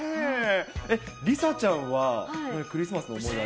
梨紗ちゃんはクリスマスの思